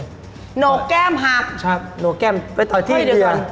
โหนกแก้มหักโหนกแก้มไปต่อที่อีกดีกว่าใช่โหนกแก้มไปต่อที่อีกดีกว่า